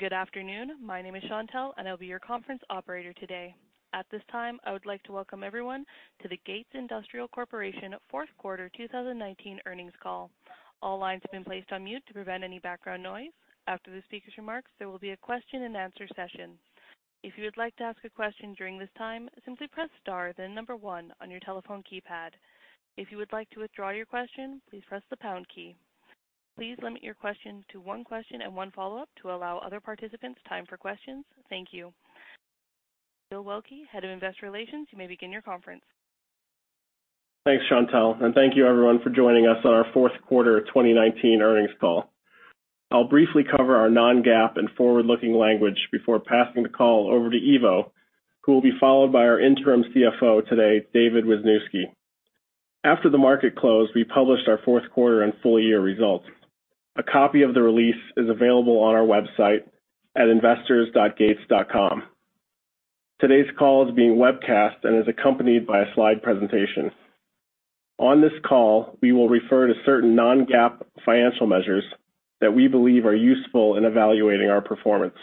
Good afternoon. Gates Industrial Corporation fourth quarter 2019 earnings call. All lines have been placed on mute to prevent any background noise. After the speaker's remarks, there will be a question-and-answer session. If you would like to ask a question during this time, simply press star then number one on your telephone keypad. If you would like to withdraw your question, please press the pound key. Please limit your questions to one question and one follow-up to allow other participants time for questions. Thank you. Bill Waelke, Head of Investor Relations, you may begin your conference. Thanks, Chantel, and thank you, everyone, for joining us on our fourth quarter 2019 earnings call. I'll briefly cover our non-GAAP and forward-looking language before passing the call over to Ivo, who will be followed by our interim CFO today, David Wisnowski. After the market closed, we published our fourth quarter and full-year results. A copy of the release is available on our website at investors.gates.com. Today's call is being webcast and is accompanied by a slide presentation. On this call, we will refer to certain non-GAAP financial measures that we believe are useful in evaluating our performance.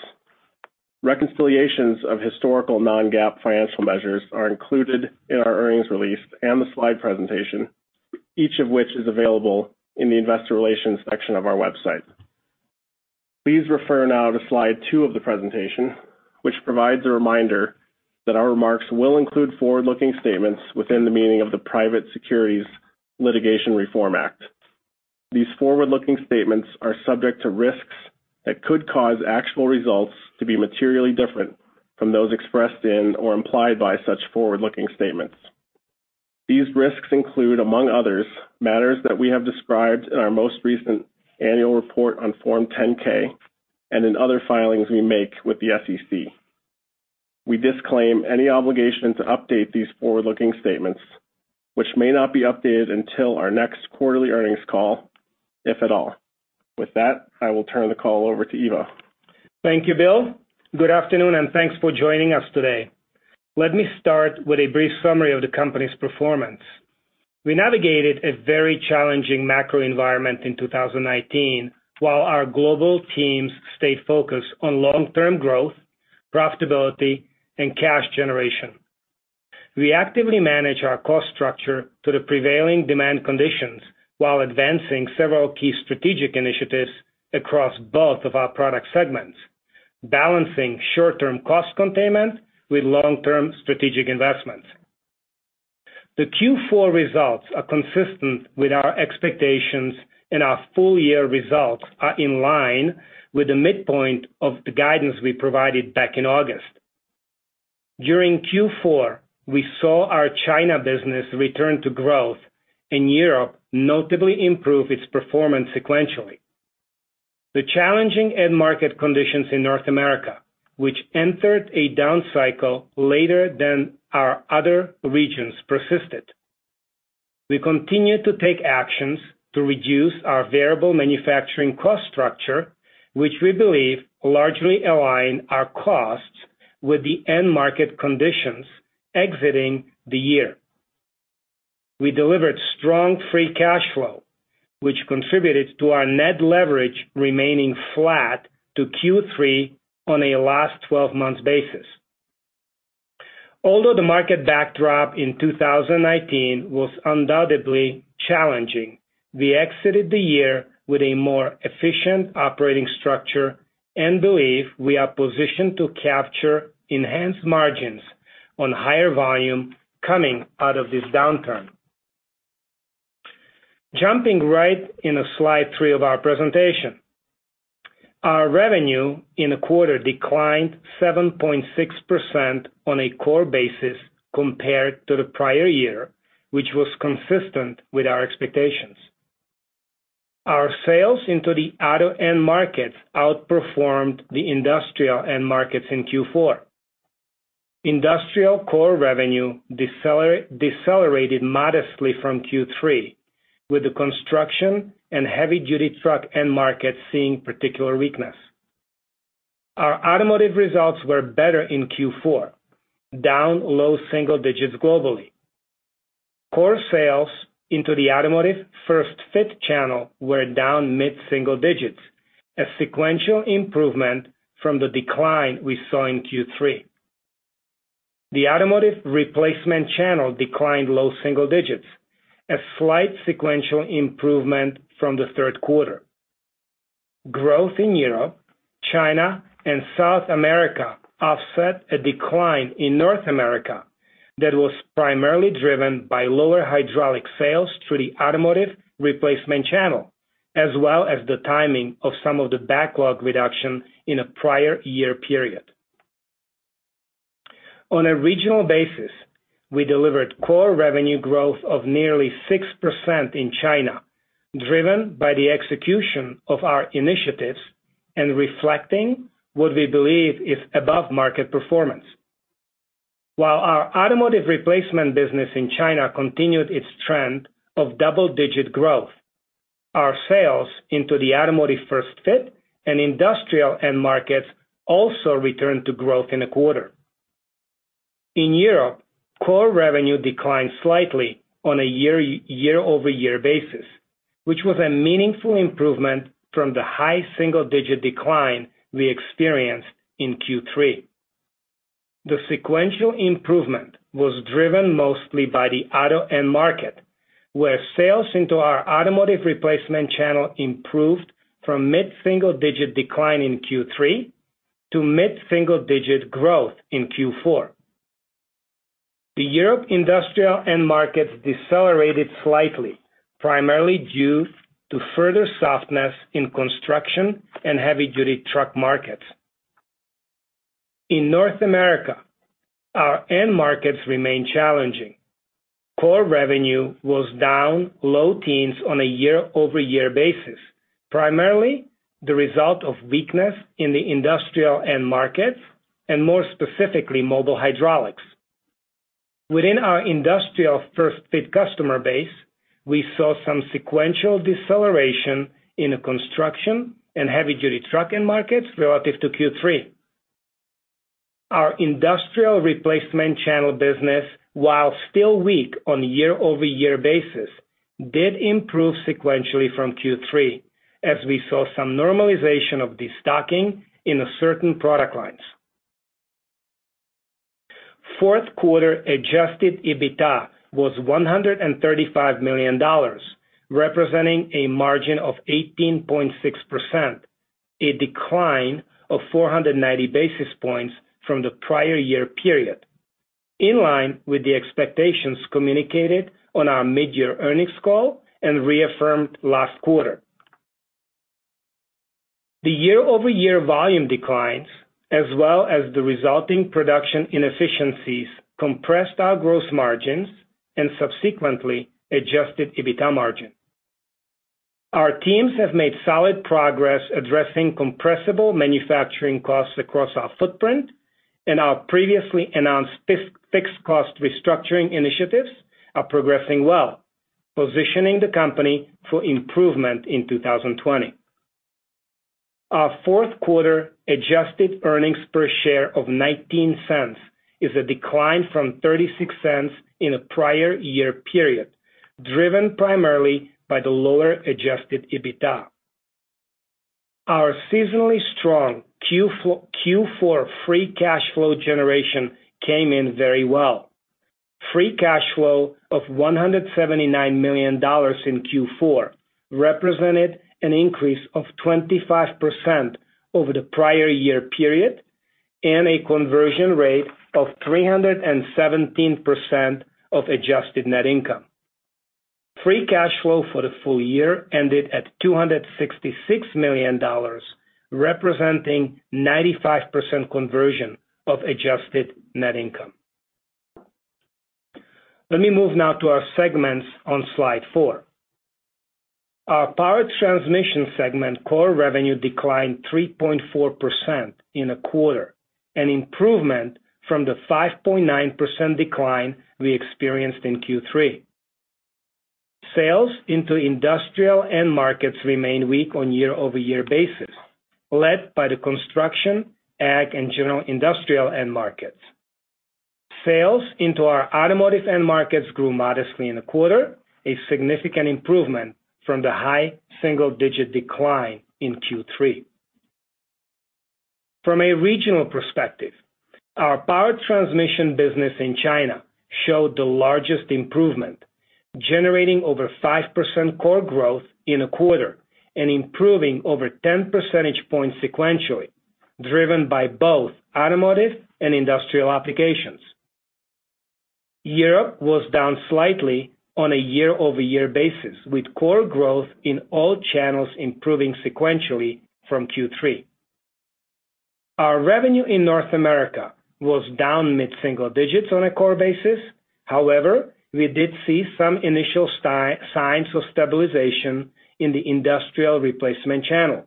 Reconciliations of historical non-GAAP financial measures are included in our earnings release and the slide presentation, each of which is available in the investor relations section of our website. Please refer now to slide two of the presentation, which provides a reminder that our remarks will include forward-looking statements within the meaning of the Private Securities Litigation Reform Act. These forward-looking statements are subject to risks that could cause actual results to be materially different from those expressed in or implied by such forward-looking statements. These risks include, among others, matters that we have described in our most recent annual report on Form 10-K and in other filings we make with the SEC. We disclaim any obligation to update these forward-looking statements, which may not be updated until our next quarterly earnings call, if at all. With that, I will turn the call over to Ivo. Thank you, Bill. Good afternoon, and thanks for joining us today. Let me start with a brief summary of the company's performance. We navigated a very challenging macro environment in 2019 while our global teams stayed focused on long-term growth, profitability, and cash generation. We actively manage our cost structure to the prevailing demand conditions while advancing several key strategic initiatives across both of our product segments, balancing short-term cost containment with long-term strategic investments. The Q4 results are consistent with our expectations, and our full-year results are in line with the midpoint of the guidance we provided back in August. During Q4, we saw our China business return to growth, and Europe notably improved its performance sequentially. The challenging end market conditions in North America, which entered a down cycle later than our other regions, persisted. We continue to take actions to reduce our variable manufacturing cost structure, which we believe largely aligns our costs with the end market conditions exiting the year. We delivered strong free cash flow, which contributed to our net leverage remaining flat to Q3 on a last 12-month basis. Although the market backdrop in 2019 was undoubtedly challenging, we exited the year with a more efficient operating structure and believe we are positioned to capture enhanced margins on higher volume coming out of this downturn. Jumping right in, slide three of our presentation, our revenue in the quarter declined 7.6% on a core basis compared to the prior year, which was consistent with our expectations. Our sales into the auto end markets outperformed the industrial end markets in Q4. Industrial core revenue decelerated modestly from Q3, with the construction and heavy-duty truck end markets seeing particular weakness. Our automotive results were better in Q4, down low single digits globally. Core sales into the automotive first fit channel were down mid-single digits, a sequential improvement from the decline we saw in Q3. The automotive replacement channel declined low single digits, a slight sequential improvement from the third quarter. Growth in Europe, China, and South America offset a decline in North America that was primarily driven by lower hydraulic sales through the automotive replacement channel, as well as the timing of some of the backlog reduction in a prior year period. On a regional basis, we delivered core revenue growth of nearly 6% in China, driven by the execution of our initiatives and reflecting what we believe is above market performance. While our automotive replacement business in China continued its trend of double-digit growth, our sales into the automotive first fit and industrial end markets also returned to growth in a quarter. In Europe, core revenue declined slightly on a year-over-year basis, which was a meaningful improvement from the high single-digit decline we experienced in Q3. The sequential improvement was driven mostly by the auto end market, where sales into our automotive replacement channel improved from mid-single digit decline in Q3 to mid-single digit growth in Q4. The Europe industrial end markets decelerated slightly, primarily due to further softness in construction and heavy-duty truck markets. In North America, our end markets remained challenging. Core revenue was down low teens on a year-over-year basis, primarily the result of weakness in the industrial end markets and, more specifically, mobile hydraulics. Within our industrial first fit customer base, we saw some sequential deceleration in construction and heavy-duty truck end markets relative to Q3. Our industrial replacement channel business, while still weak on a year-over-year basis, did improve sequentially from Q3, as we saw some normalization of the stocking in certain product lines. Fourth quarter adjusted EBITDA was $135 million, representing a margin of 18.6%, a decline of 490 basis points from the prior year period, in line with the expectations communicated on our mid-year earnings call and reaffirmed last quarter. The year-over-year volume declines, as well as the resulting production inefficiencies, compressed our gross margins and subsequently adjusted EBITDA margin. Our teams have made solid progress addressing compressible manufacturing costs across our footprint, and our previously announced fixed cost restructuring initiatives are progressing well, positioning the company for improvement in 2020. Our fourth quarter adjusted earnings per share of $0.19 is a decline from $0.36 in a prior year period, driven primarily by the lower adjusted EBITDA. Our seasonally strong Q4 free cash flow generation came in very well. Free cash flow of $179 million in Q4 represented an increase of 25% over the prior year period and a conversion rate of 317% of adjusted net income. Free cash flow for the full year ended at $266 million, representing 95% conversion of adjusted net income. Let me move now to our segments on slide four. Our power transmission segment core revenue declined 3.4% in a quarter, an improvement from the 5.9% decline we experienced in Q3. Sales into industrial end markets remained weak on a year-over-year basis, led by the construction, ag, and general industrial end markets. Sales into our automotive end markets grew modestly in a quarter, a significant improvement from the high single-digit decline in Q3. From a regional perspective, our power transmission business in China showed the largest improvement, generating over 5% core growth in a quarter and improving over 10 percentage points sequentially, driven by both automotive and industrial applications. Europe was down slightly on a year-over-year basis, with core growth in all channels improving sequentially from Q3. Our revenue in North America was down mid-single digits on a core basis. However, we did see some initial signs of stabilization in the industrial replacement channel.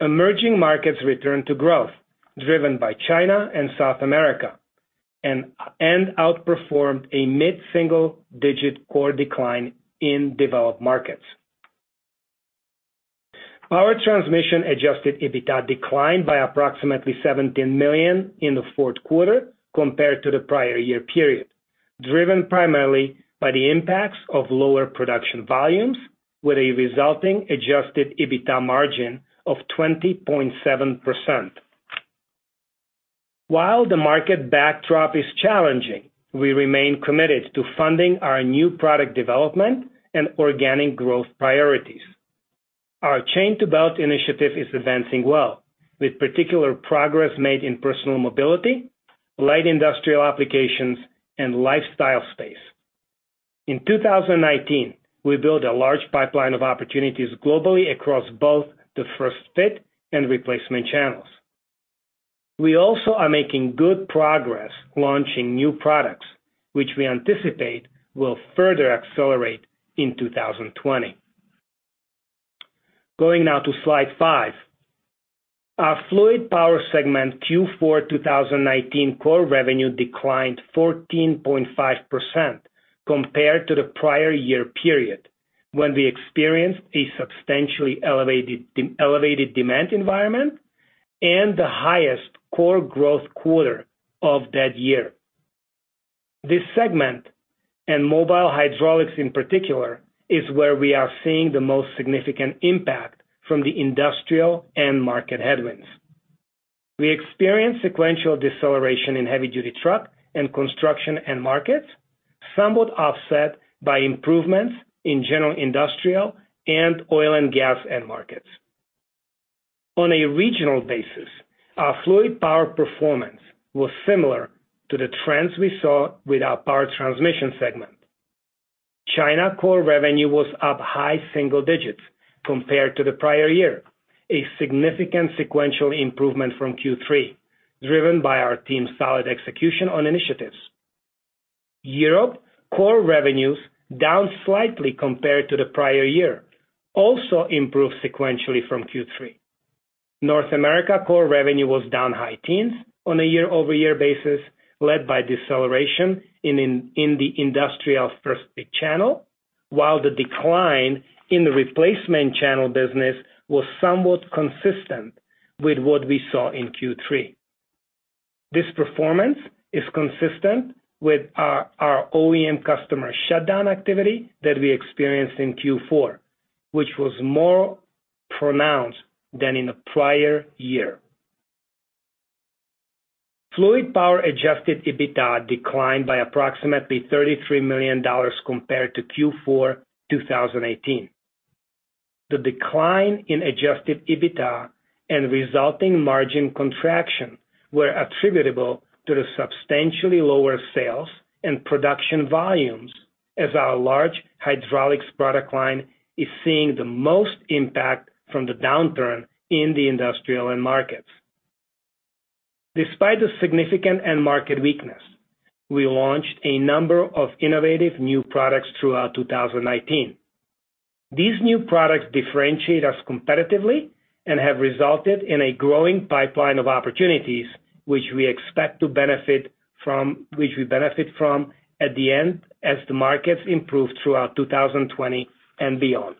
Emerging markets returned to growth, driven by China and South America, and outperformed a mid-single digit core decline in developed markets. Power transmission adjusted EBITDA declined by approximately $17 million in the fourth quarter compared to the prior year period, driven primarily by the impacts of lower production volumes, with a resulting adjusted EBITDA margin of 20.7%. While the market backdrop is challenging, we remain committed to funding our new product development and organic growth priorities. Our chain-to-belt initiative is advancing well, with particular progress made in personal mobility, light industrial applications, and lifestyle space. In 2019, we built a large pipeline of opportunities globally across both the first fit and replacement channels. We also are making good progress launching new products, which we anticipate will further accelerate in 2020. Going now to slide five, our fluid power segment Q4 2019 core revenue declined 14.5% compared to the prior year period, when we experienced a substantially elevated demand environment and the highest core growth quarter of that year. This segment, and mobile hydraulics in particular, is where we are seeing the most significant impact from the industrial end market headwinds. We experience sequential deceleration in heavy-duty truck and construction end markets, somewhat offset by improvements in general industrial and oil and gas end markets. On a regional basis, our fluid power performance was similar to the trends we saw with our power transmission segment. China core revenue was up high single digits compared to the prior year, a significant sequential improvement from Q3, driven by our team's solid execution on initiatives. Europe core revenue was down slightly compared to the prior year, also improved sequentially from Q3. North America core revenue was down high teens on a year-over-year basis, led by deceleration in the industrial first fit channel, while the decline in the replacement channel business was somewhat consistent with what we saw in Q3. This performance is consistent with our OEM customer shutdown activity that we experienced in Q4, which was more pronounced than in a prior year. Fluid power adjusted EBITDA declined by approximately $33 million compared to Q4 2018. The decline in adjusted EBITDA and resulting margin contraction were attributable to the substantially lower sales and production volumes, as our large hydraulics product line is seeing the most impact from the downturn in the industrial end markets. Despite the significant end market weakness, we launched a number of innovative new products throughout 2019. These new products differentiate us competitively and have resulted in a growing pipeline of opportunities, which we expect to benefit from at the end as the markets improve throughout 2020 and beyond.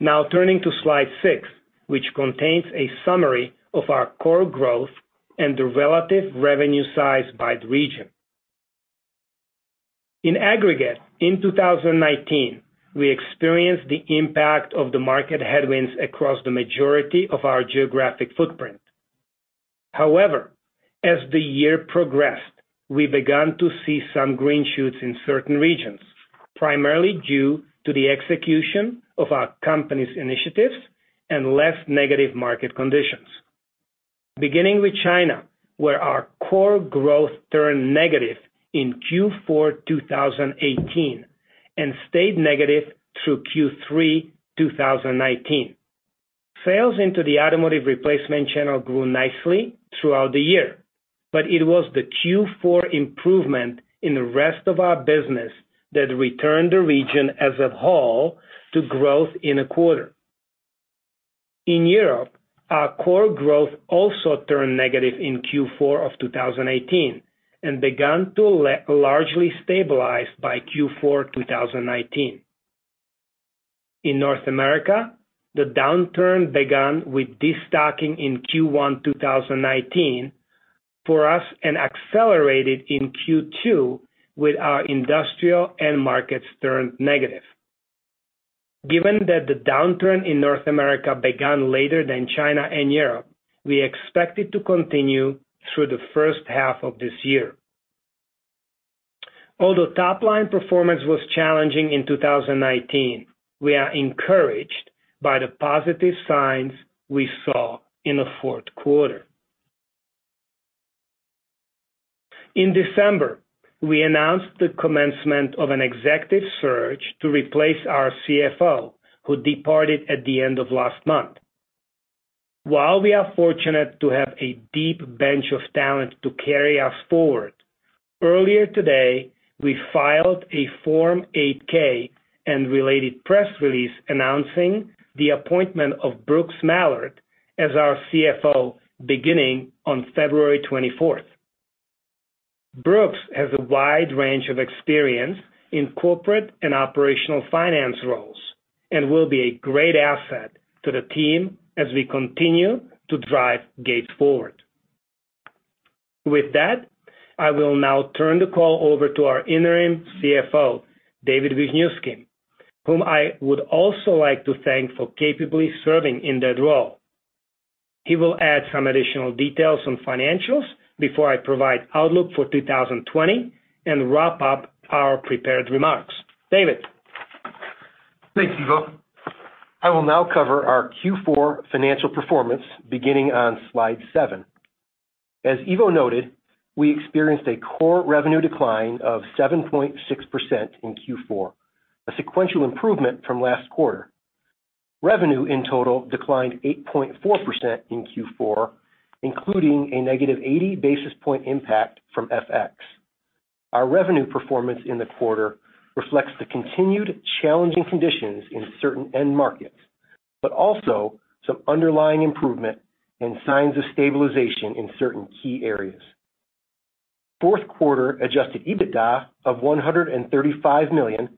Now turning to slide six, which contains a summary of our core growth and the relative revenue size by the region. In aggregate, in 2019, we experienced the impact of the market headwinds across the majority of our geographic footprint. However, as the year progressed, we began to see some green shoots in certain regions, primarily due to the execution of our company's initiatives and less negative market conditions. Beginning with China, where our core growth turned negative in Q4 2018 and stayed negative through Q3 2019. Sales into the automotive replacement channel grew nicely throughout the year, but it was the Q4 improvement in the rest of our business that returned the region as a whole to growth in a quarter. In Europe, our core growth also turned negative in Q4 of 2018 and began to largely stabilize by Q4 2019. In North America, the downturn began with destocking in Q1 2019 for us and accelerated in Q2 with our industrial end markets turned negative. Given that the downturn in North America began later than China and Europe, we expect it to continue through the first half of this year. Although top-line performance was challenging in 2019, we are encouraged by the positive signs we saw in the fourth quarter. In December, we announced the commencement of an executive search to replace our CFO, who departed at the end of last month. While we are fortunate to have a deep bench of talent to carry us forward, earlier today, we filed a Form 8K and related press release announcing the appointment of Brooks Mallard as our CFO beginning on February 24. Brooks has a wide range of experience in corporate and operational finance roles and will be a great asset to the team as we continue to drive Gates forward. With that, I will now turn the call over to our interim CFO, David Wisnowski, whom I would also like to thank for capably serving in that role. He will add some additional details on financials before I provide outlook for 2020 and wrap up our prepared remarks. David. Thanks, Ivo. I will now cover our Q4 financial performance beginning on slide seven. As Ivo noted, we experienced a core revenue decline of 7.6% in Q4, a sequential improvement from last quarter. Revenue in total declined 8.4% in Q4, including a negative 80 basis point impact from FX. Our revenue performance in the quarter reflects the continued challenging conditions in certain end markets, but also some underlying improvement and signs of stabilization in certain key areas. Fourth quarter adjusted EBITDA of $135 million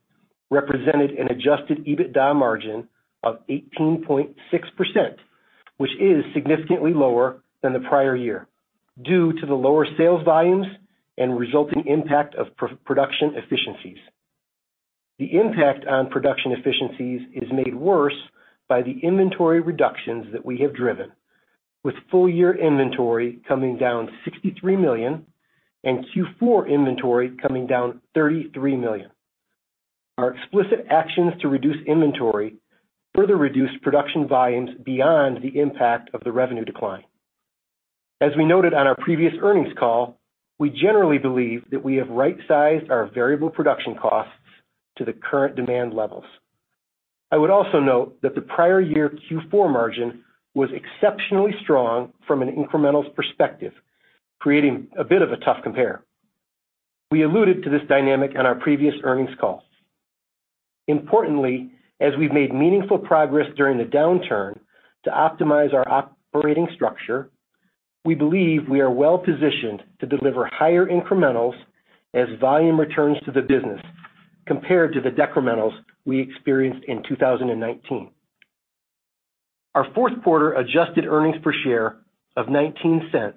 represented an adjusted EBITDA margin of 18.6%, which is significantly lower than the prior year due to the lower sales volumes and resulting impact of production efficiencies. The impact on production efficiencies is made worse by the inventory reductions that we have driven, with full-year inventory coming down $63 million and Q4 inventory coming down $33 million. Our explicit actions to reduce inventory further reduced production volumes beyond the impact of the revenue decline. As we noted on our previous earnings call, we generally believe that we have right-sized our variable production costs to the current demand levels. I would also note that the prior year Q4 margin was exceptionally strong from an incremental perspective, creating a bit of a tough compare. We alluded to this dynamic in our previous earnings call. Importantly, as we've made meaningful progress during the downturn to optimize our operating structure, we believe we are well-positioned to deliver higher incrementals as volume returns to the business compared to the decrementals we experienced in 2019. Our fourth quarter adjusted earnings per share of $0.19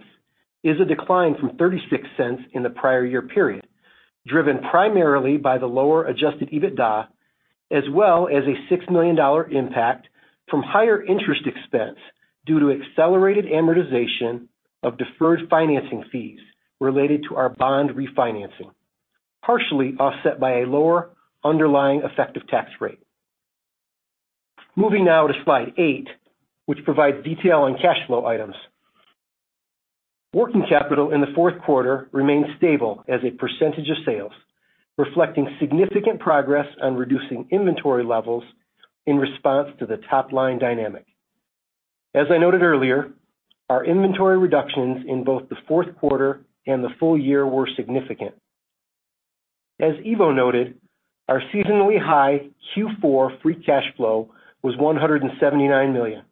is a decline from $0.36 in the prior year period, driven primarily by the lower adjusted EBITDA, as well as a $6 million impact from higher interest expense due to accelerated amortization of deferred financing fees related to our bond refinancing, partially offset by a lower underlying effective tax rate. Moving now to slide eight, which provides detail on cash flow items. Working capital in the fourth quarter remained stable as a percentage of sales, reflecting significant progress on reducing inventory levels in response to the top-line dynamic. As I noted earlier, our inventory reductions in both the fourth quarter and the full year were significant. As Ivo noted, our seasonally high Q4 free cash flow was $179 million.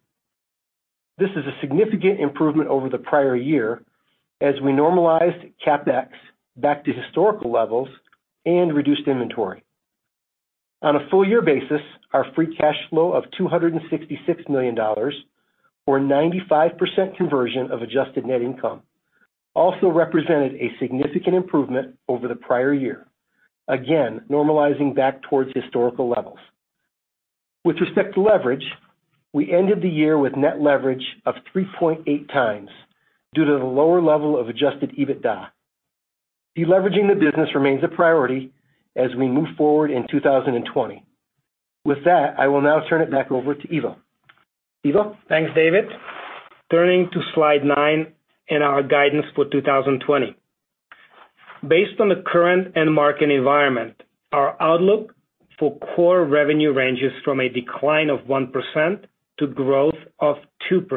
This is a significant improvement over the prior year as we normalized CapEx back to historical levels and reduced inventory. On a full-year basis, our free cash flow of $266 million, or 95% conversion of adjusted net income, also represented a significant improvement over the prior year, again normalizing back towards historical levels. With respect to leverage, we ended the year with net leverage of 3.8x due to the lower level of adjusted EBITDA. Deleveraging the business remains a priority as we move forward in 2020. With that, I will now turn it back over to Ivo. Ivo. Thanks, David. Turning to slide nine in our guidance for 2020. Based on the current end market environment, our outlook for core revenue ranges from a decline of 1% to growth of 2%.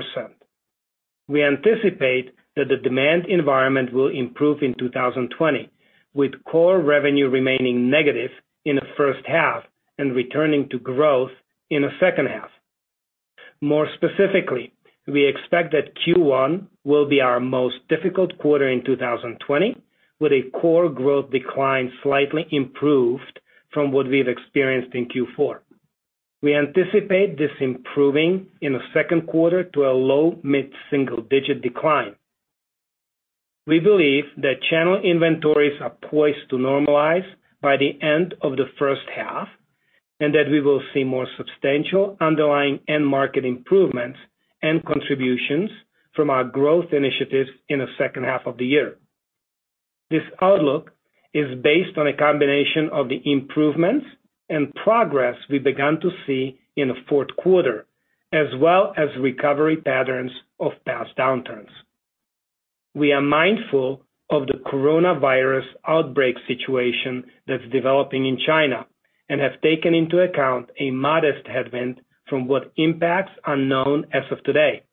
We anticipate that the demand environment will improve in 2020, with core revenue remaining negative in the first half and returning to growth in the second half. More specifically, we expect that Q1 will be our most difficult quarter in 2020, with a core growth decline slightly improved from what we've experienced in Q4. We anticipate this improving in the second quarter to a low-mid single-digit decline. We believe that channel inventories are poised to normalize by the end of the first half and that we will see more substantial underlying end market improvements and contributions from our growth initiatives in the second half of the year. This outlook is based on a combination of the improvements and progress we began to see in the fourth quarter, as well as recovery patterns of past downturns. We are mindful of the coronavirus outbreak situation that's developing in China and have taken into account a modest headwind from what impacts are known as of today.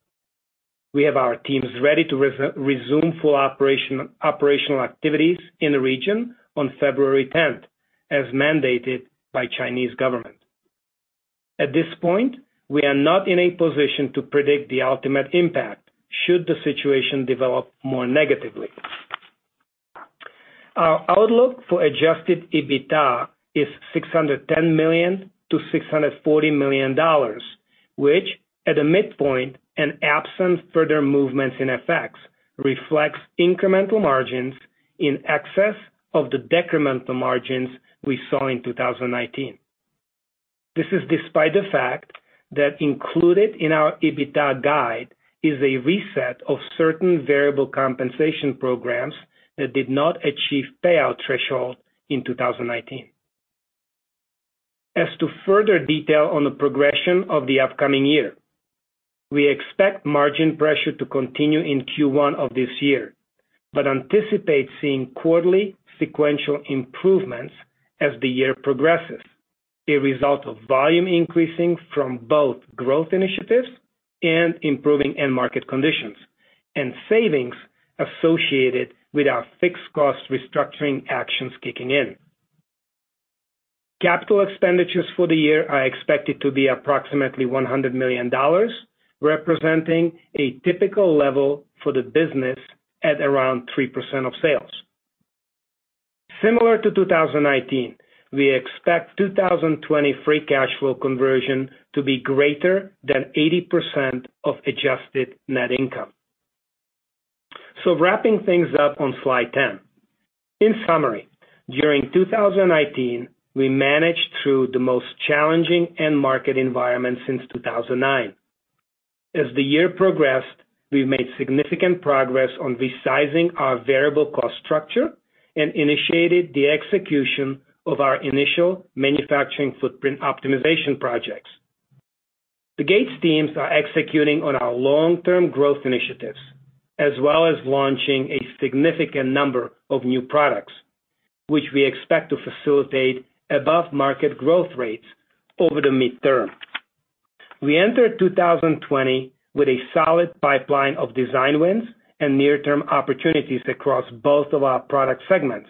We have our teams ready to resume full operational activities in the region on February 10, as mandated by the Chinese government. At this point, we are not in a position to predict the ultimate impact should the situation develop more negatively. Our outlook for adjusted EBITDA is $610 million-$640 million, which, at a midpoint and absent further movements in FX, reflects incremental margins in excess of the decremental margins we saw in 2019. This is despite the fact that included in our EBITDA guide is a reset of certain variable compensation programs that did not achieve payout threshold in 2019. As to further detail on the progression of the upcoming year, we expect margin pressure to continue in Q1 of this year, but anticipate seeing quarterly sequential improvements as the year progresses, a result of volume increasing from both growth initiatives and improving end market conditions, and savings associated with our fixed cost restructuring actions kicking in. Capital expenditures for the year are expected to be approximately $100 million, representing a typical level for the business at around 3% of sales. Similar to 2019, we expect 2020 free cash flow conversion to be greater than 80% of adjusted net income. Wrapping things up on slide ten. In summary, during 2019, we managed through the most challenging end market environment since 2009. As the year progressed, we've made significant progress on resizing our variable cost structure and initiated the execution of our initial manufacturing footprint optimization projects. The Gates teams are executing on our long-term growth initiatives, as well as launching a significant number of new products, which we expect to facilitate above-market growth rates over the midterm. We entered 2020 with a solid pipeline of design wins and near-term opportunities across both of our product segments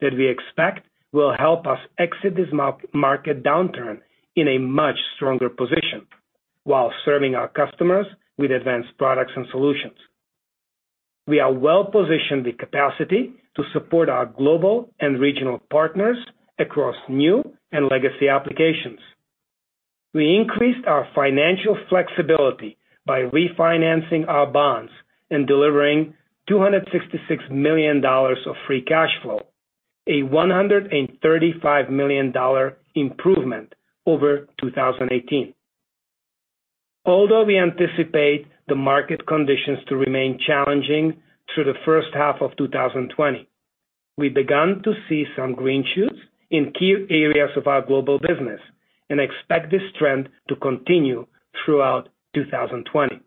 that we expect will help us exit this market downturn in a much stronger position while serving our customers with advanced products and solutions. We are well-positioned with capacity to support our global and regional partners across new and legacy applications. We increased our financial flexibility by refinancing our bonds and delivering $266 million of free cash flow, a $135 million improvement over 2018. Although we anticipate the market conditions to remain challenging through the first half of 2020, we began to see some green shoots in key areas of our global business and expect this trend to continue throughout 2020.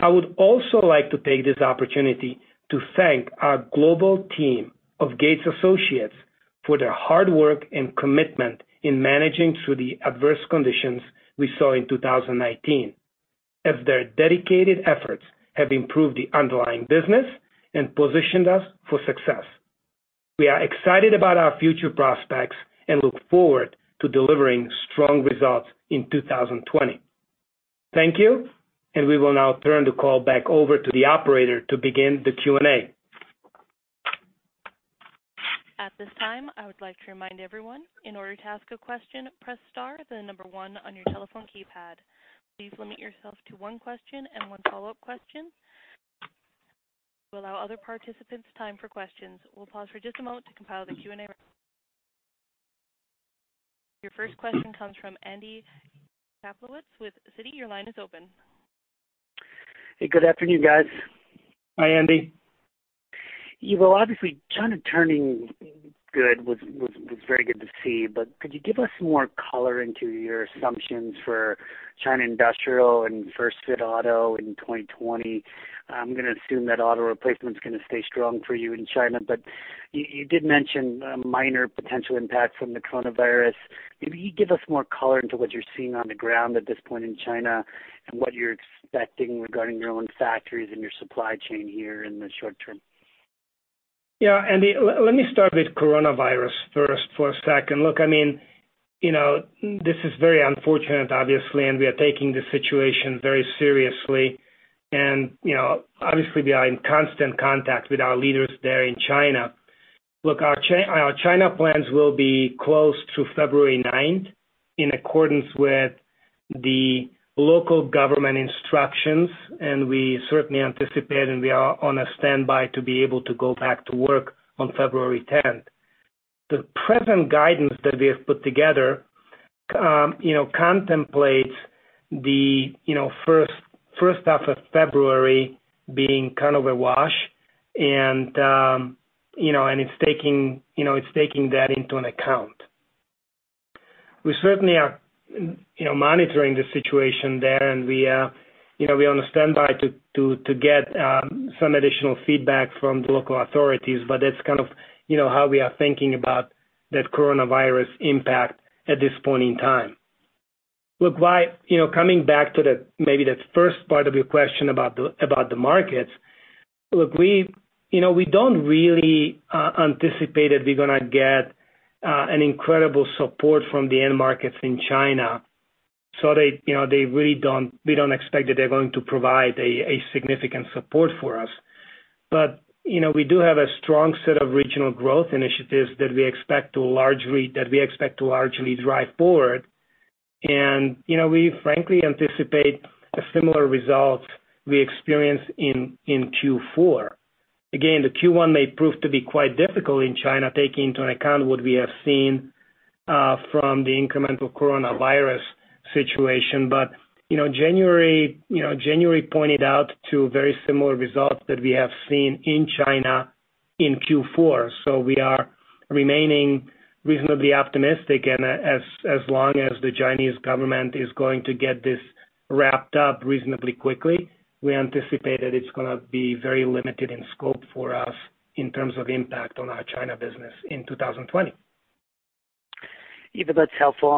I would also like to take this opportunity to thank our global team of Gates Associates for their hard work and commitment in managing through the adverse conditions we saw in 2019, as their dedicated efforts have improved the underlying business and positioned us for success. We are excited about our future prospects and look forward to delivering strong results in 2020. Thank you, and we will now turn the call back over to the operator to begin the Q&A. At this time, I would like to remind everyone, in order to ask a question, press star the number one on your telephone keypad. Please limit yourself to one question and one follow-up question. We'll allow other participants time for questions. We'll pause for just a moment to compile the Q&A. Your first question comes from Andy Kaplowitz with Citi. Your line is open. Hey, good afternoon, guys. Hi, Andy. Ivo, obviously, China turning good was very good to see, but could you give us more color into your assumptions for China Industrial and First Fit Auto in 2020? I'm going to assume that auto replacement is going to stay strong for you in China, but you did mention a minor potential impact from the coronavirus. Maybe you can give us more color into what you're seeing on the ground at this point in China and what you're expecting regarding your own factories and your supply chain here in the short term. Yeah, Andy, let me start with coronavirus first for a second. Look, I mean, this is very unfortunate, obviously, and we are taking the situation very seriously. Obviously, we are in constant contact with our leaders there in China. Look, our China plants will be closed through February 9 in accordance with the local government instructions, and we certainly anticipate and we are on standby to be able to go back to work on February 10. The present guidance that we have put together contemplates the first half of February being kind of a wash, and it is taking that into account. We certainly are monitoring the situation there, and we are on standby to get some additional feedback from the local authorities, but that is kind of how we are thinking about that coronavirus impact at this point in time. Look, coming back to maybe that first part of your question about the markets, look, we don't really anticipate that we're going to get an incredible support from the end markets in China, so we don't expect that they're going to provide a significant support for us. We do have a strong set of regional growth initiatives that we expect to largely drive forward, and we, frankly, anticipate a similar result we experienced in Q4. Again, Q1 may prove to be quite difficult in China, taking into account what we have seen from the incremental coronavirus situation, but January pointed out to very similar results that we have seen in China in Q4. We are remaining reasonably optimistic, and as long as the Chinese government is going to get this wrapped up reasonably quickly, we anticipate that it's going to be very limited in scope for us in terms of impact on our China business in 2020. Ivo, that's helpful.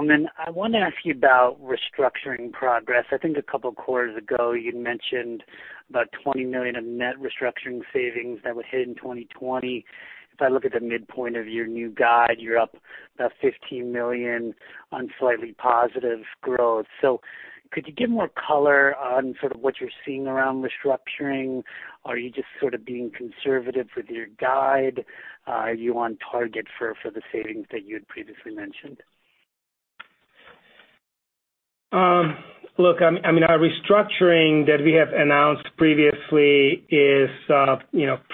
I want to ask you about restructuring progress. I think a couple of quarters ago, you mentioned about $20 million of net restructuring savings that were hit in 2020. If I look at the midpoint of your new guide, you're up about $15 million on slightly positive growth. Could you give more color on sort of what you're seeing around restructuring? Are you just sort of being conservative with your guide? Are you on target for the savings that you had previously mentioned? Look, I mean, our restructuring that we have announced previously is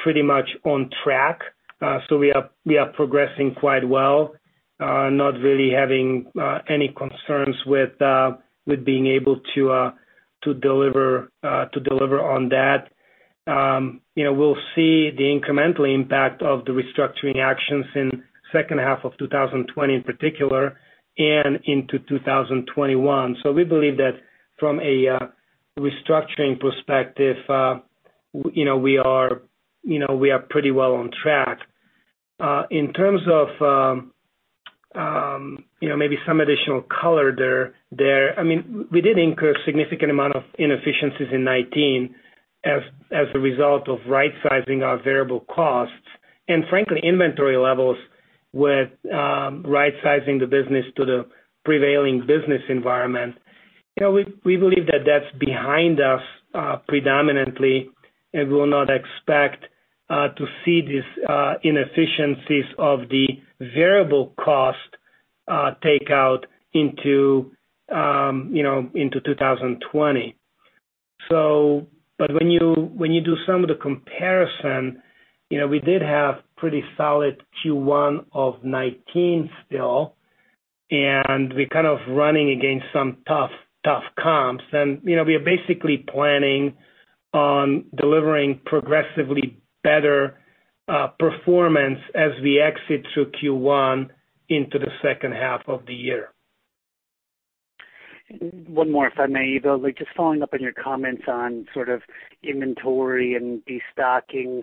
pretty much on track, so we are progressing quite well, not really having any concerns with being able to deliver on that. We'll see the incremental impact of the restructuring actions in the second half of 2020 in particular and into 2021. We believe that from a restructuring perspective, we are pretty well on track. In terms of maybe some additional color there, I mean, we did incur a significant amount of inefficiencies in 2019 as a result of right-sizing our variable costs and, frankly, inventory levels with right-sizing the business to the prevailing business environment. We believe that that's behind us predominantly, and we will not expect to see these inefficiencies of the variable cost takeout into 2020. When you do some of the comparison, we did have a pretty solid Q1 of 2019 still, and we're kind of running against some tough comps, and we are basically planning on delivering progressively better performance as we exit through Q1 into the second half of the year. One more, if I may, Ivo. Just following up on your comments on sort of inventory and destocking,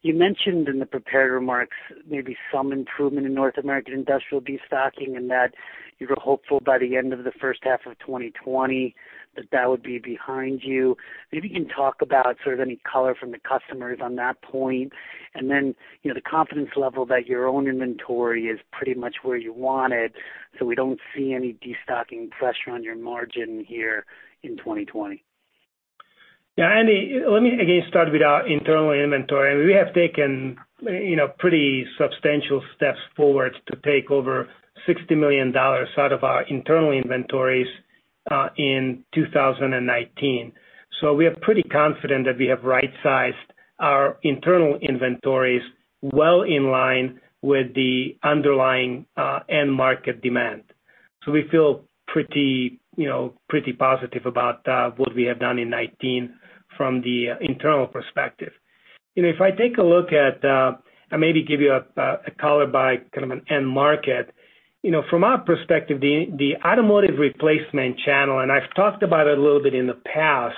you mentioned in the prepared remarks maybe some improvement in North American industrial destocking and that you were hopeful by the end of the first half of 2020 that that would be behind you. Maybe you can talk about sort of any color from the customers on that point. Then the confidence level that your own inventory is pretty much where you want it, so we don't see any destocking pressure on your margin here in 2020. Yeah, Andy, let me again start with our internal inventory. We have taken pretty substantial steps forward to take over $60 million out of our internal inventories in 2019. We are pretty confident that we have right-sized our internal inventories well in line with the underlying end market demand. We feel pretty positive about what we have done in 2019 from the internal perspective. If I take a look at and maybe give you a color by kind of an end market, from our perspective, the automotive replacement channel, and I've talked about it a little bit in the past,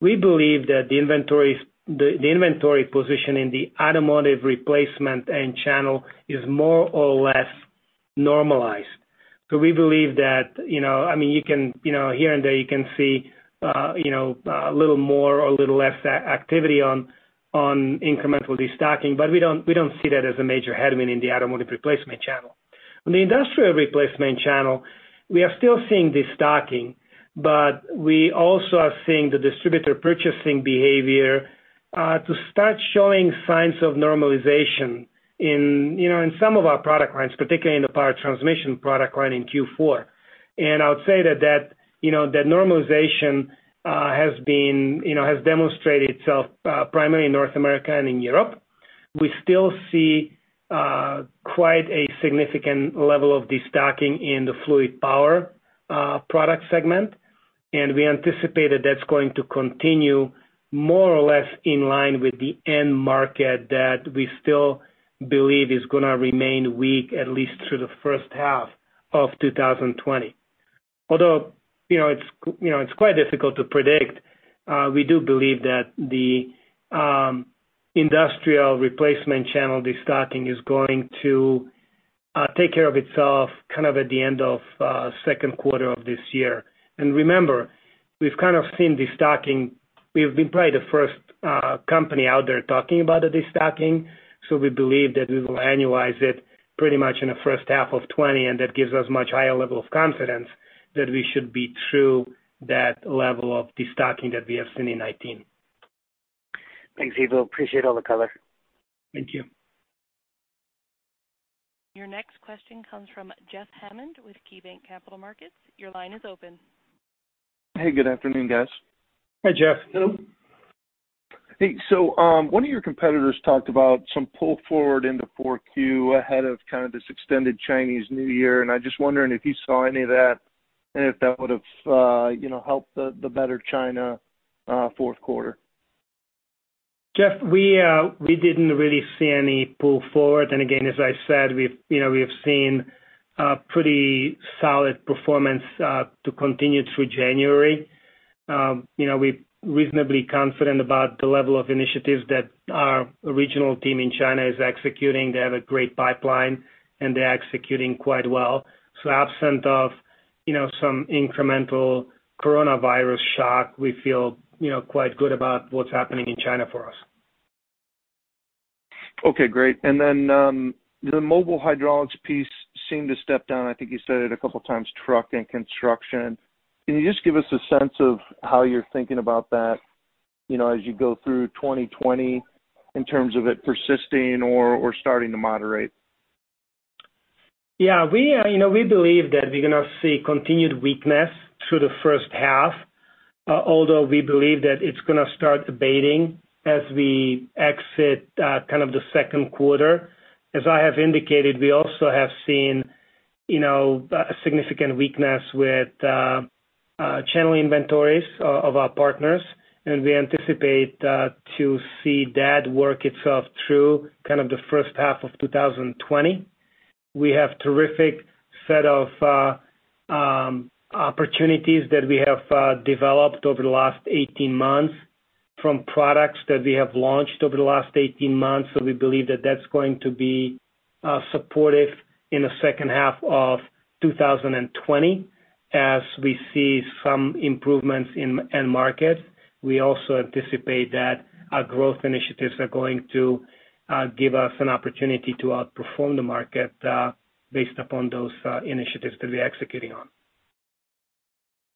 we believe that the inventory position in the automotive replacement channel is more or less normalized. We believe that, I mean, you can here and there, you can see a little more or a little less activity on incremental destocking, but we do not see that as a major headwind in the automotive replacement channel. On the industrial replacement channel, we are still seeing destocking, but we also are seeing the distributor purchasing behavior start showing signs of normalization in some of our product lines, particularly in the power transmission product line in Q4. I would say that that normalization has demonstrated itself primarily in North America and in Europe. We still see quite a significant level of destocking in the fluid power product segment, and we anticipate that is going to continue more or less in line with the end market that we still believe is going to remain weak at least through the first half of 2020. Although it's quite difficult to predict, we do believe that the industrial replacement channel destocking is going to take care of itself kind of at the end of the second quarter of this year. Remember, we've kind of seen destocking; we've been probably the first company out there talking about the destocking, so we believe that we will annualize it pretty much in the first half of 2020, and that gives us a much higher level of confidence that we should be true to that level of destocking that we have seen in 2019. Thanks, Ivo. Appreciate all the color. Thank you. Your next question comes from Jeff Hammond with KeyBank Capital Markets. Your line is open. Hey, good afternoon, guys. Hi, Jeff. Hello. Hey, so one of your competitors talked about some pull forward into Q4 ahead of kind of this extended Chinese New Year, and I'm just wondering if you saw any of that and if that would have helped the better China fourth quarter. Jeff, we didn't really see any pull forward. Again, as I said, we've seen pretty solid performance to continue through January. We're reasonably confident about the level of initiatives that our regional team in China is executing. They have a great pipeline, and they're executing quite well. Absent of some incremental coronavirus shock, we feel quite good about what's happening in China for us. Okay, great. The mobile hydraulics piece seemed to step down. I think you said it a couple of times: truck and construction. Can you just give us a sense of how you're thinking about that as you go through 2020 in terms of it persisting or starting to moderate? Yeah, we believe that we're going to see continued weakness through the first half, although we believe that it's going to start abating as we exit kind of the second quarter. As I have indicated, we also have seen significant weakness with channel inventories of our partners, and we anticipate to see that work itself through kind of the first half of 2020. We have a terrific set of opportunities that we have developed over the last 18 months from products that we have launched over the last 18 months, so we believe that that's going to be supportive in the second half of 2020 as we see some improvements in end markets. We also anticipate that our growth initiatives are going to give us an opportunity to outperform the market based upon those initiatives that we are executing on.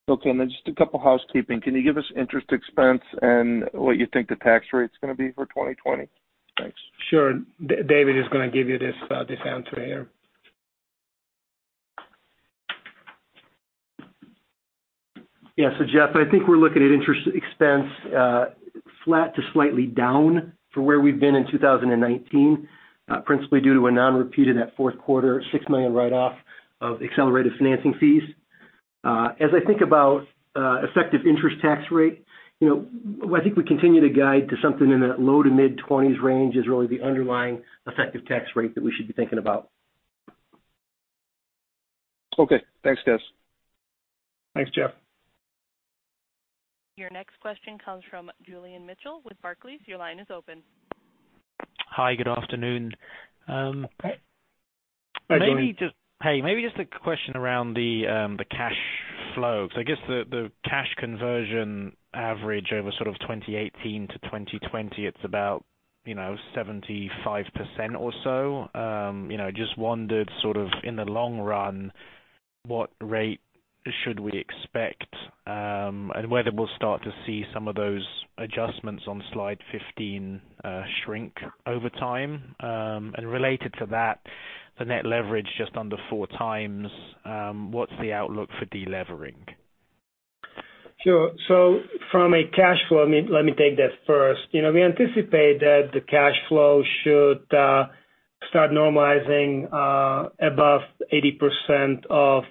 Okay, and then just a couple of housekeeping. Can you give us interest expense and what you think the tax rate's going to be for 2020? Thanks. Sure. David is going to give you this answer here. Yeah, so Jeff, I think we're looking at interest expense flat to slightly down for where we've been in 2019, principally due to a non-repeated at fourth quarter $6 million write-off of accelerated financing fees. As I think about effective interest tax rate, I think we continue to guide to something in that low to mid-20% range is really the underlying effective tax rate that we should be thinking about. Okay, thanks, guys. Thanks, Jeff. Your next question comes from Julian Mitchell with Barclays. Your line is open. Hi, good afternoon. Hi. Hey, maybe just a question around the cash flow. I guess the cash conversion average over sort of 2018 to 2020, it's about 75% or so. Just wondered sort of in the long run, what rate should we expect and whether we'll start to see some of those adjustments on slide 15 shrink over time? Related to that, the net leverage just under 4x, what's the outlook for delevering? Sure. From a cash flow, let me take that first. We anticipate that the cash flow should start normalizing above 80% of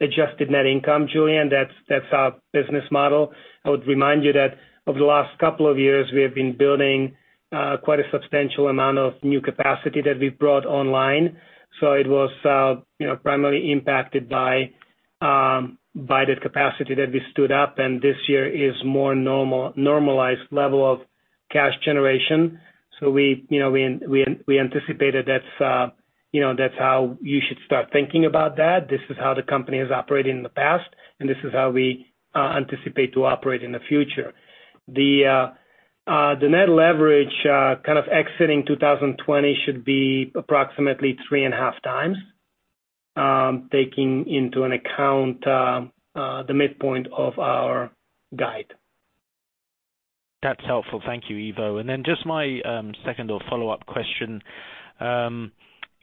adjusted net income, Julian. That's our business model. I would remind you that over the last couple of years, we have been building quite a substantial amount of new capacity that we've brought online. It was primarily impacted by the capacity that we stood up, and this year is a more normalized level of cash generation. We anticipated that's how you should start thinking about that. This is how the company has operated in the past, and this is how we anticipate to operate in the future. The net leverage kind of exiting 2020 should be approximately three and a half times, taking into account the midpoint of our guide. That's helpful. Thank you, Ivo. Just my second or follow-up question.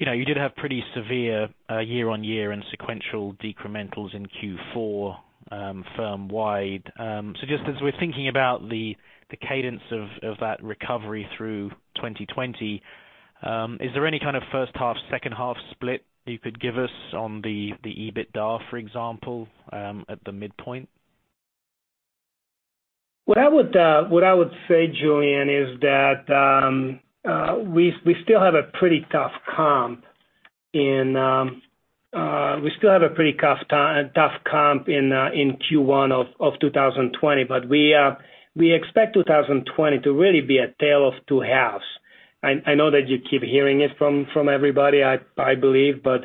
You did have pretty severe year-on-year and sequential decrementals in Q4 firm-wide. Just as we're thinking about the cadence of that recovery through 2020, is there any kind of first half, second half split you could give us on the EBITDA, for example, at the midpoint? What I would say, Julian, is that we still have a pretty tough comp in Q1 of 2020, but we expect 2020 to really be a tale of two halves. I know that you keep hearing it from everybody, I believe, but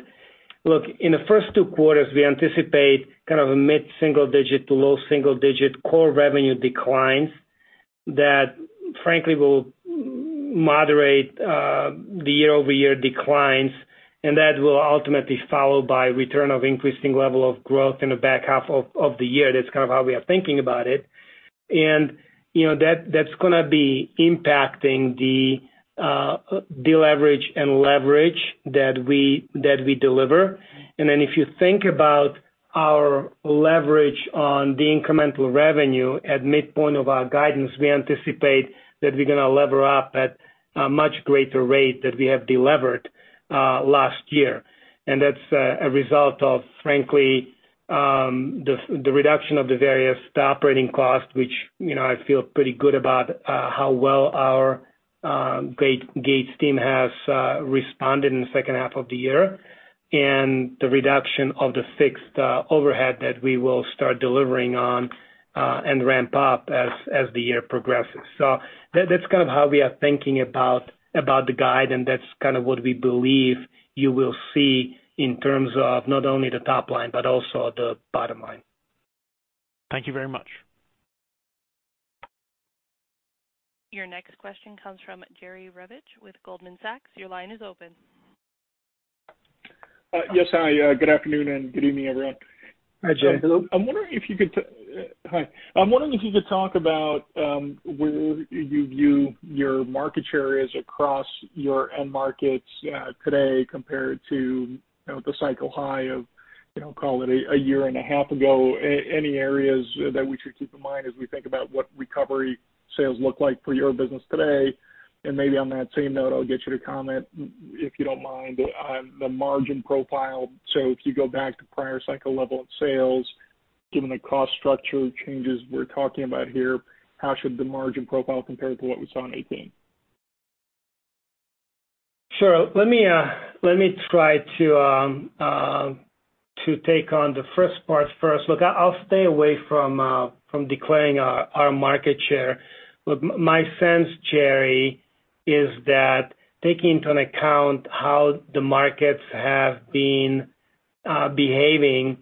look, in the first two quarters, we anticipate kind of a mid-single digit to low single digit core revenue declines that, frankly, will moderate the year-over-year declines, and that will ultimately follow by return of increasing level of growth in the back half of the year. That's kind of how we are thinking about it. That is going to be impacting the deleverage and leverage that we deliver. If you think about our leverage on the incremental revenue at midpoint of our guidance, we anticipate that we're going to lever up at a much greater rate than we have delivered last year. That's a result of, frankly, the reduction of the various operating costs, which I feel pretty good about how well our Gates team has responded in the second half of the year and the reduction of the fixed overhead that we will start delivering on and ramp up as the year progresses. That's kind of how we are thinking about the guide, and that's kind of what we believe you will see in terms of not only the top line but also the bottom line. Thank you very much. Your next question comes from Jerry Revich with Goldman Sachs. Your line is open. Yes, hi. Good afternoon and good evening, everyone. Hi, Jerry. Hello. I'm wondering if you could talk about where you view your market share is across your end markets today compared to the cycle high of, call it, a year and a half ago. Any areas that we should keep in mind as we think about what recovery sales look like for your business today? Maybe on that same note, I'll get you to comment, if you don't mind, on the margin profile. If you go back to prior cycle level of sales, given the cost structure changes we're talking about here, how should the margin profile compare to what we saw in 2018? Sure. Let me try to take on the first part first. Look, I'll stay away from declaring our market share. My sense, Jerry, is that taking into account how the markets have been behaving,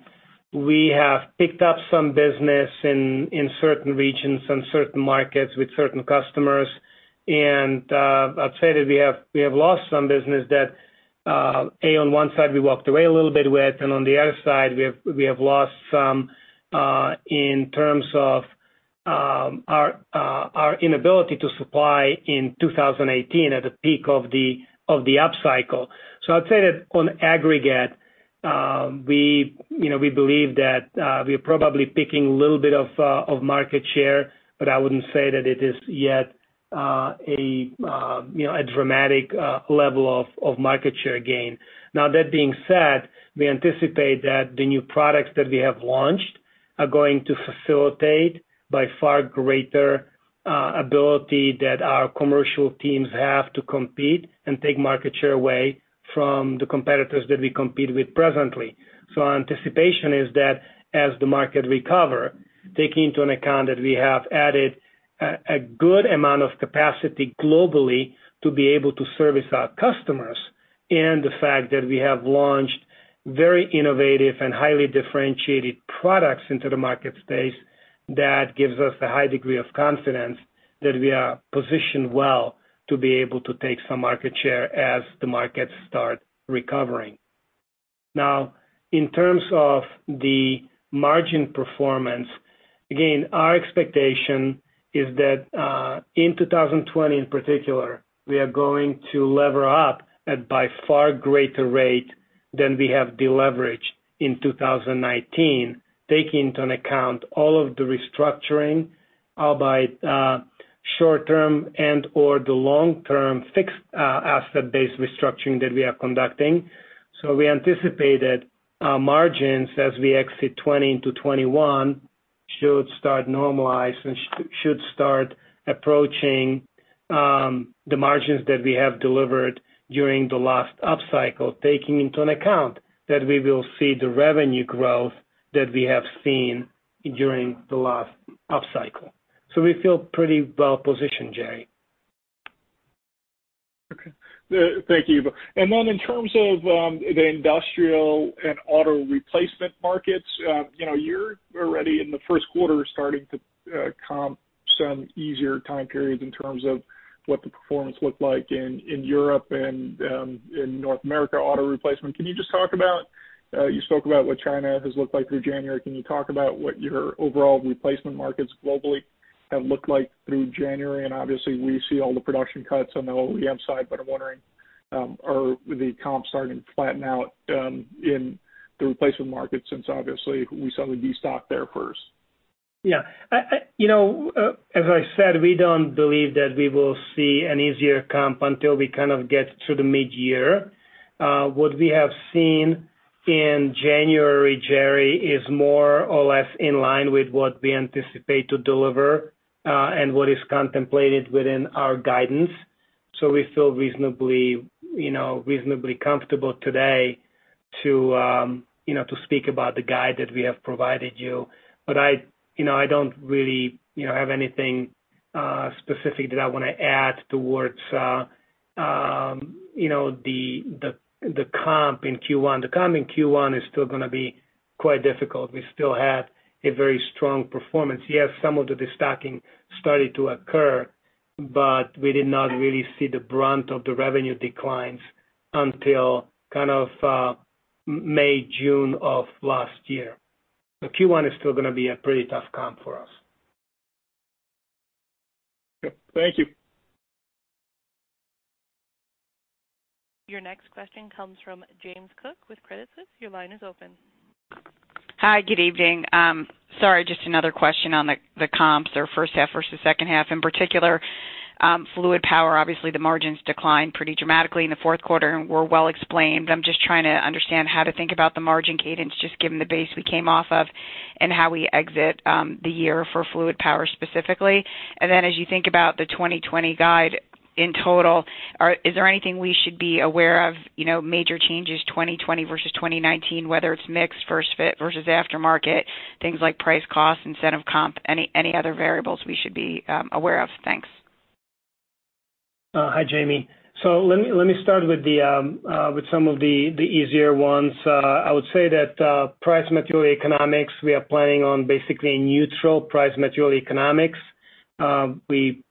we have picked up some business in certain regions and certain markets with certain customers. I would say that we have lost some business that, A, on one side, we walked away a little bit with, and on the other side, we have lost some in terms of our inability to supply in 2018 at the peak of the upcycle. I would say that on aggregate, we believe that we are probably picking a little bit of market share, but I would not say that it is yet a dramatic level of market share gain. That being said, we anticipate that the new products that we have launched are going to facilitate by far greater ability that our commercial teams have to compete and take market share away from the competitors that we compete with presently. Our anticipation is that as the market recover, taking into account that we have added a good amount of capacity globally to be able to service our customers and the fact that we have launched very innovative and highly differentiated products into the market space, that gives us a high degree of confidence that we are positioned well to be able to take some market share as the markets start recovering. Now, in terms of the margin performance, again, our expectation is that in 2020, in particular, we are going to lever up at by far greater rate than we have deleveraged in 2019, taking into account all of the restructuring, all by short-term and/or the long-term fixed asset-based restructuring that we are conducting. We anticipate that our margins as we exit 2020 into 2021 should start normalizing and should start approaching the margins that we have delivered during the last upcycle, taking into account that we will see the revenue growth that we have seen during the last upcycle. We feel pretty well positioned, Jerry. Okay. Thank you. In terms of the industrial and auto replacement markets, you are already in the first quarter starting to come some easier time periods in terms of what the performance looked like in Europe and in North America auto replacement. Can you just talk about you spoke about what China has looked like through January. Can you talk about what your overall replacement markets globally have looked like through January? Obviously, we see all the production cuts on the OEM side, but I'm wondering, are the comps starting to flatten out in the replacement markets since, obviously, we saw the destock there first? Yeah. As I said, we don't believe that we will see an easier comp until we kind of get through the mid-year. What we have seen in January, Jerry, is more or less in line with what we anticipate to deliver and what is contemplated within our guidance. We feel reasonably comfortable today to speak about the guide that we have provided you. I don't really have anything specific that I want to add towards the comp in Q1. The comp in Q1 is still going to be quite difficult. We still had a very strong performance. Yes, some of the destocking started to occur, but we did not really see the brunt of the revenue declines until kind of May, June of last year. Q1 is still going to be a pretty tough comp for us. Okay. Thank you. Your next question comes from James Cook with Creditsys. Your line is open. Hi, good evening. Sorry, just another question on the comps, their first half versus second half. In particular, fluid power, obviously, the margins declined pretty dramatically in the fourth quarter and were well explained. I'm just trying to understand how to think about the margin cadence just given the base we came off of and how we exit the year for fluid power specifically. As you think about the 2020 guide in total, is there anything we should be aware of, major changes 2020 versus 2019, whether it's mix, first fit versus aftermarket, things like price, cost, incentive comp, any other variables we should be aware of? Thanks. Hi, Jamie. Let me start with some of the easier ones. I would say that price material economics, we are planning on basically a neutral price material economics. We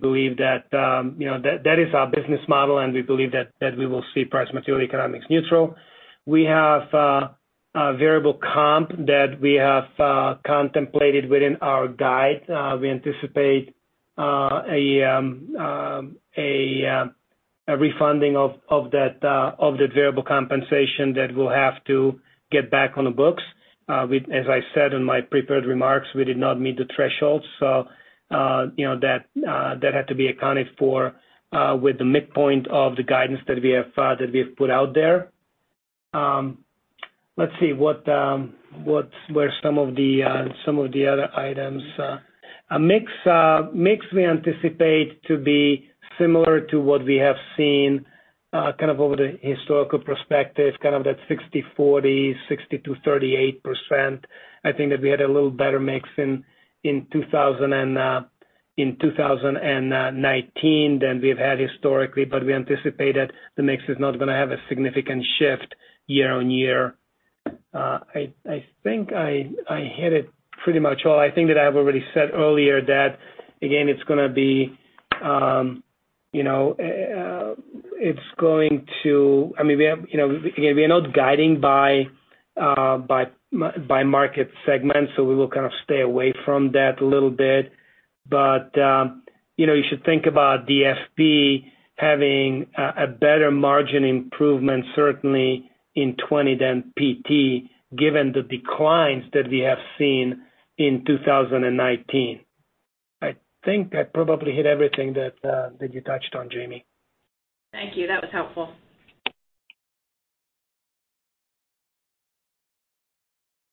believe that that is our business model, and we believe that we will see price material economics neutral. We have a variable comp that we have contemplated within our guide. We anticipate a refunding of that variable compensation that we'll have to get back on the books. As I said in my prepared remarks, we did not meet the threshold, so that had to be accounted for with the midpoint of the guidance that we have put out there. Let's see where some of the other items. A mix we anticipate to be similar to what we have seen kind of over the historical perspective, kind of that 60/40, 60%-38%. I think that we had a little better mix in 2019 than we've had historically, but we anticipate that the mix is not going to have a significant shift year on year. I think I hit it pretty much all. I think that I've already said earlier that, again, it's going to be, it's going to, I mean, again, we are not guiding by market segment, so we will kind of stay away from that a little bit. But you should think about DFP having a better margin improvement, certainly in 2020 than PT, given the declines that we have seen in 2019. I think I probably hit everything that you touched on, Jamie. Thank you. That was helpful.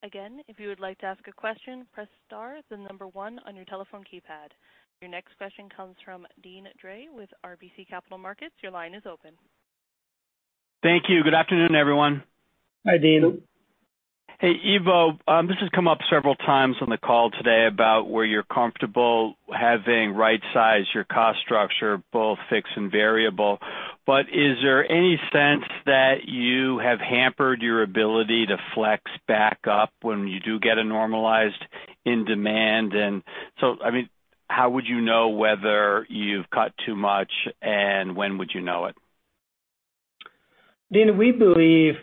Again, if you would like to ask a question, press star as the number one on your telephone keypad. Your next question comes from Deane Drey with RBC Capital Markets. Your line is open. Thank you. Good afternoon, everyone. Hi, Deane. Hey, Ivo. This has come up several times on the call today about where you're comfortable having right-sized your cost structure, both fixed and variable. Is there any sense that you have hampered your ability to flex back up when you do get a normalized in-demand? I mean, how would you know whether you've cut too much, and when would you know it? Deane, we believe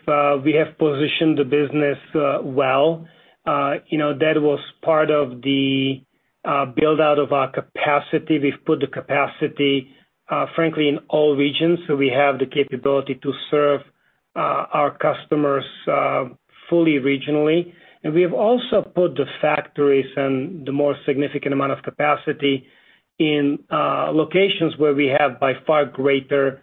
we have positioned the business well. That was part of the build-out of our capacity. We have put the capacity, frankly, in all regions, so we have the capability to serve our customers fully regionally. We have also put the factories and the more significant amount of capacity in locations where we have by far greater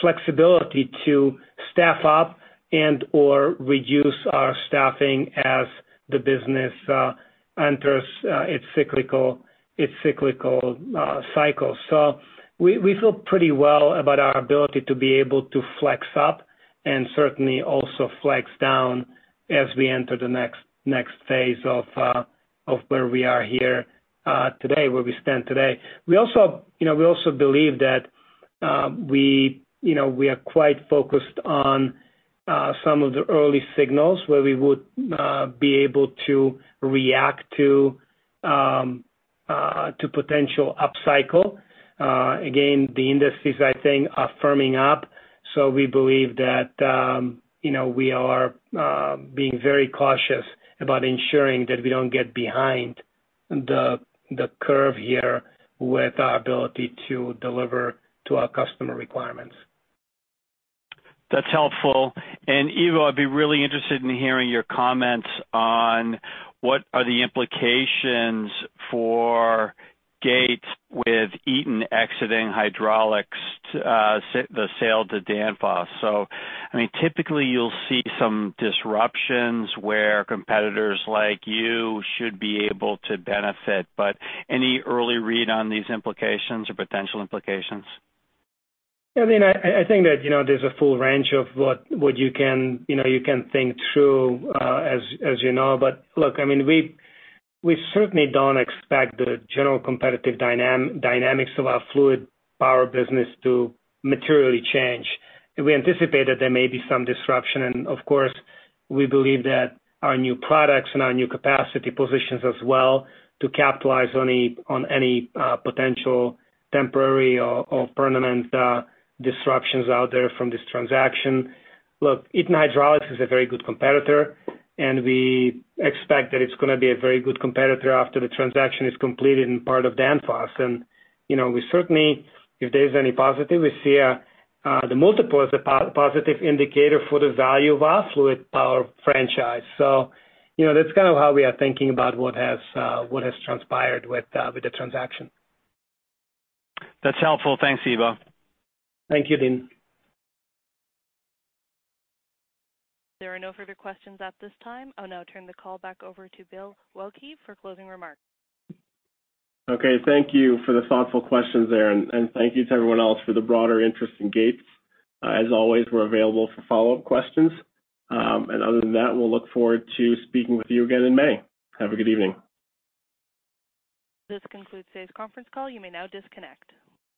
flexibility to staff up and/or reduce our staffing as the business enters its cyclical cycle. We feel pretty well about our ability to be able to flex up and certainly also flex down as we enter the next phase of where we are here today, where we stand today. We also believe that we are quite focused on some of the early signals where we would be able to react to potential upcycle. Again, the industry's, I think, firming up, so we believe that we are being very cautious about ensuring that we don't get behind the curve here with our ability to deliver to our customer requirements. That's helpful. Ivo, I'd be really interested in hearing your comments on what are the implications for Gates with Eaton exiting Hydraulics, the sale to Danfoss. I mean, typically, you'll see some disruptions where competitors like you should be able to benefit. Any early read on these implications or potential implications? I think that there's a full range of what you can think through, as you know. Look, we certainly don't expect the general competitive dynamics of our fluid power business to materially change. We anticipate that there may be some disruption. Of course, we believe that our new products and our new capacity position us well to capitalize on any potential temporary or permanent disruptions out there from this transaction. Look, Eaton Hydraulics is a very good competitor, and we expect that it's going to be a very good competitor after the transaction is completed and part of Danfoss. We certainly, if there's any positive, see the multiple as a positive indicator for the value of our fluid power franchise. That is kind of how we are thinking about what has transpired with the transaction. That's helpful. Thanks, Ivo. Thank you, Dean. There are no further questions at this time. I will now turn the call back over to Bill Waelke for closing remarks. Thank you for the thoughtful questions there. Thank you to everyone else for the broader interest in Gates. As always, we're available for follow-up questions. Other than that, we'll look forward to speaking with you again in May. Have a good evening. This concludes today's conference call. You may now disconnect.